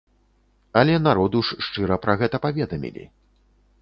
Але народу ж шчыра пра гэта паведамілі.